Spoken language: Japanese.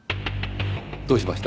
どうしました？